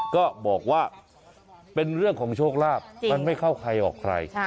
ก็บอกว่าเป็นเรื่องของโชคลาภมันไม่เข้าใครออกใคร